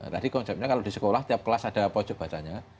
tadi konsepnya kalau di sekolah tiap kelas ada pojok bacanya